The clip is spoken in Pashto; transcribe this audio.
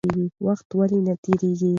وخت ولې نه تېرېږي؟